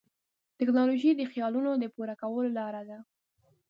ټیکنالوژي د خیالونو د پوره کولو لاره ده.